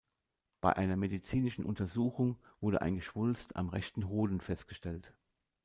Bei einer medizinischen Untersuchung wurde ein Geschwulst am rechten Hoden festgestellt.